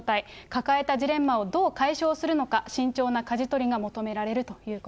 抱えたジレンマをどう解消するのか、慎重なかじ取りが求められる